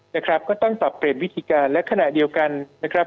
นะครับก็ต้องปรับเปลี่ยนวิธีการและขณะเดียวกันนะครับ